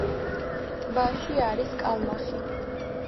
ტბაში არის კალმახი.